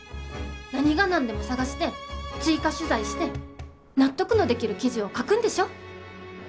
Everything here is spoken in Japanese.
何が何でも探して追加取材して納得のできる記事を書くんでしょ？